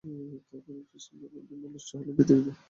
তদ্রুপ এসব নদ-নদীর মূল উৎসও পৃথিবীতেই।